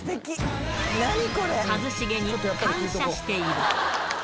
一茂に感謝している。